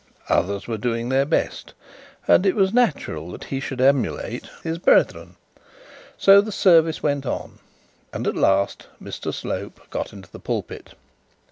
Others were doing their best, and it was natural that he should emulate his brethren. So the service went on, and at last Mr Slope got into the pulpit.